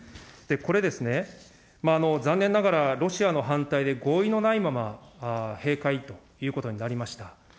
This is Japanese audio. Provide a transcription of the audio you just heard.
これですね、残念ながらロシアの反対で合意のないまま閉会ということになりました。